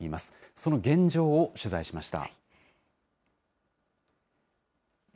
その現状を取材しました。